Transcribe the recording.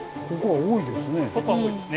ここは多いですね。